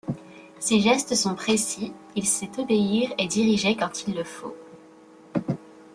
Ses gestes sont précis, il sait obéir et diriger quand il le faut.